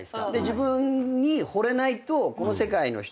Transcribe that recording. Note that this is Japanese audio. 自分にほれないとこの世界の人ってなかなか。